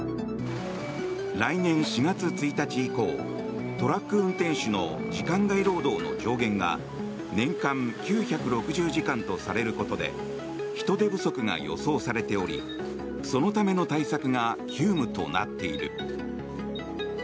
来年４月１日以降トラック運転手の時間外労働の上限が年間９６０時間とされることで人手不足が予想されておりそのための対策が急務となっている。